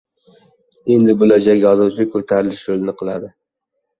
Endi, bo‘lajak yozuvchi ko‘tarilish yo‘lini qiladi.